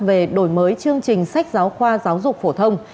về đổi mới chương trình sách giáo khoa giáo dục phổ thông